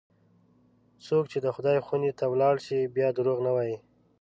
څوک چې د خدای خونې ته ولاړ شي، بیا دروغ نه وایي.